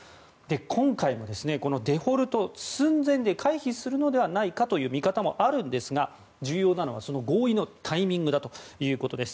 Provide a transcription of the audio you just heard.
今回も、このデフォルト寸前で回避するのではないかという見方もあるんですが重要なのは、その合意のタイミングだということです。